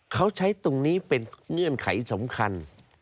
เขาใช้ตรงนี้เป็นเงื่อนไขสำคัญ